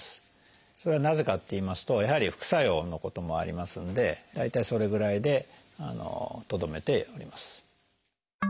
それはなぜかっていいますとやはり副作用のこともありますんで大体それぐらいでとどめております。